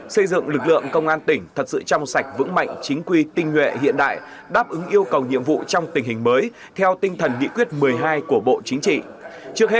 xây dựng lực lượng công an tỉnh thật sự trong sạch vững mạnh chính quy tinh nguyện hiện đại đáp ứng yêu cầu nhiệm vụ trong tình hình mới theo tinh thần nghị quyết một mươi hai của bộ chính trị